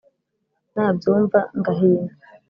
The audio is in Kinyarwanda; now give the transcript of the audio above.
nabyumva ngahinda